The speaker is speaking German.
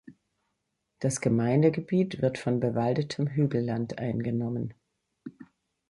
Das Gemeindegebiet wird von bewaldetem Hügelland eingenommen.